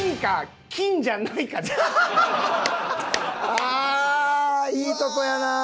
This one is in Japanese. ああいいとこやなあ！